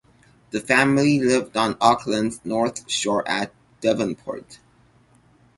The family lived on Auckland’s North Shore at Devonport.